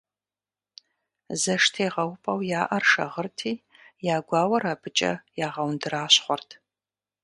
ЗэштегъэупӀэу яӀэр шагъырти, я гуауэр абыкӀэ ягъэундэращхъуэрт.